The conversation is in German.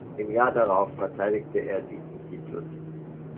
Im Jahr darauf verteidigte er diesen Titel.